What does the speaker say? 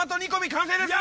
完成です！